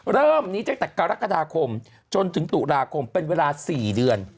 เริ่มนี้ตั้งแต่กรกฎาคมจนถึงตุลาคมเป็นเวลา๔เดือน